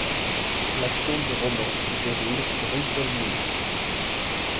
L’action du roman se déroule sur une seule nuit.